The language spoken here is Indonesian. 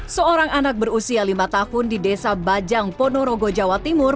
seorang anak berusia lima tahun di desa bajang ponorogo jawa timur